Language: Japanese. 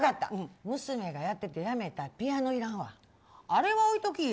娘がやっててやめたピアノいらんわ。